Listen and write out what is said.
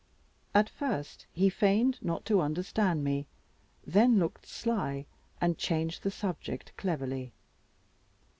At first he feigned not to understand me, then looked sly, and changed the subject cleverly.